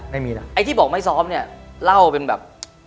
บ๊วยบ๊วยบ๊วยบ๊วยบ๊วยอเจมส์ไอ้ที่บอกไม่ซ้อมเนี่ยเล่าเป็นแบบ